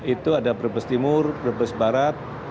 itu ada brebes timur brebes barat